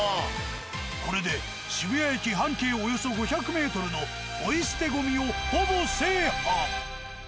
これで渋谷駅半径およそ５００ｍのポイ捨てゴミをほぼ制覇。